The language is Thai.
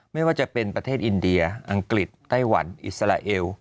ไม่ว่าจะเป็นประเทศอินเดียอังกฤษไต้หวันอิสราเอล